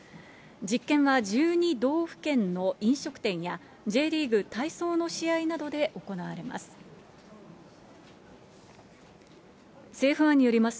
実験は１２道府県の飲食店や、Ｊリーグ、体操の試合などで行われます。